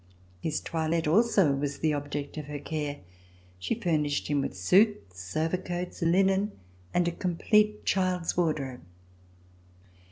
His toilette also was the object of her care. She furnished him with suits, overcoats, linen and a complete child's wardrobe.